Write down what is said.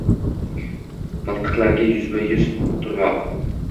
Miltiqlarga yuzma–yuz turmoq.